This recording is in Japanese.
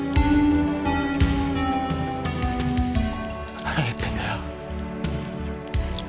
腹減ってんだよ。